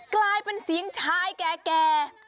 กลายเป็นเสียงชายแก่